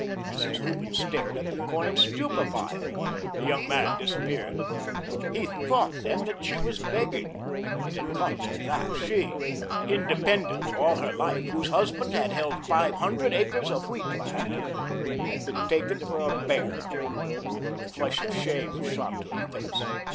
Mrs. Hooven stared at the coin stupefied. The young man disappeared. He thought, then, that she was begging. It had come to that; she, independent all her life, whose husband had held five hundred acres of wheat land, had been taken for a beggar. A flush of shame shot to her face.